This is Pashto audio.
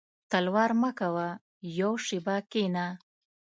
•تلوار مه کوه یو شېبه کښېنه.